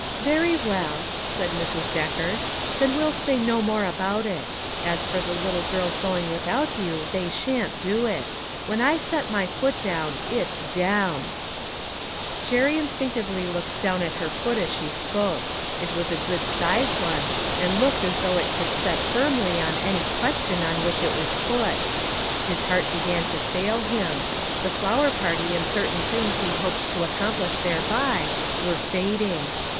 " Very well," said Mrs Decker. " Then we'll say no more about it ; as for the little girls going without you, they sha'n't do it. When I set my foot down, it's down" Jerry instinctively looked down at her foot as she spoke. It was a good sized one, and looked as though it could set firmly on any ques tion on which it was put. His heart began to fail him; the flower party and certain things which he hoped to accomplish thereby, were fading.